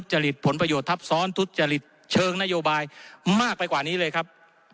จริตผลประโยชนทับซ้อนทุจริตเชิงนโยบายมากไปกว่านี้เลยครับ